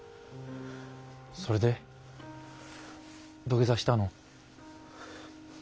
それで土下座したの？